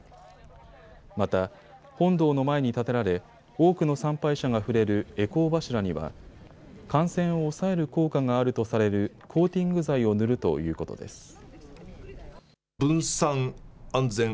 また、本堂の前に建てられ多くの参拝者が触れる回向柱には感染を抑える効果があるとされるコーティング剤を塗るということです。